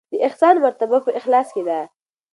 د احسان مرتبه په اخلاص کې ده.